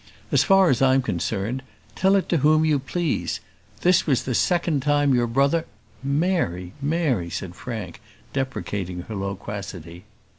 As far as I am concerned, tell it to whom you please. This was the second time your brother " "Mary, Mary," said Frank, deprecating her loquacity.